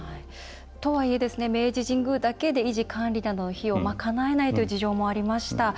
とはいえ、明治神宮だけで維持管理などの費用を賄えないという事情もありました。